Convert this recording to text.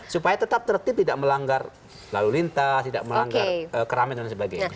supaya tetap tertib tidak melanggar lalu lintas tidak melanggar keramit dan sebagainya